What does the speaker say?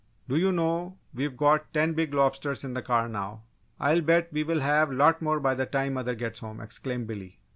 "Do you know, we've got ten big lobsters in the car now! I'll bet we will have a lot more by the time mother gets home," exclaimed Billy.